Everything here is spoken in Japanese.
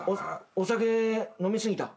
お酒飲み過ぎた？